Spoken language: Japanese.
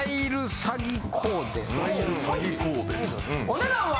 お値段は？